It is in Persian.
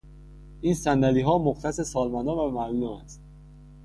این صندلیها مختص سالمندان و معلولان است.